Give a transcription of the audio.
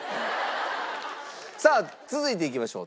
さあ続いていきましょう。